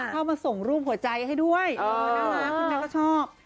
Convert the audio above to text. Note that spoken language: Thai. เข้ามาส่งรูปหัวใจให้ด้วยน่ารักคุณแม่ก็ชอบ